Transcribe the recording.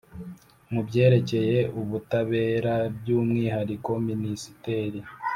mu byerekeye ubutabera by umwihariko Minisiteri